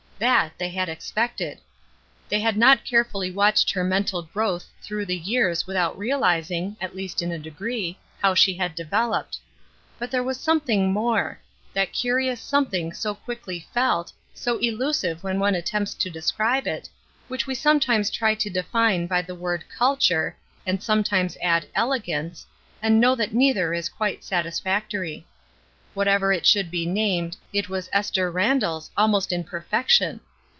That, they had expected. They had not care 296 ESTER RIED'S NAMESAKE fully watched her mental growth through the years without realizing, at least in a degree, how she had developed. But there was some thing more — that curious something so quickly felt, so elusive when one attempts to describe it, which we sometimes try to define by the word ''culture" and sometimes add "elegance/' and know that neither is quite satisfactory. What ever it should be named, it was Esther Randall's almost in perfection.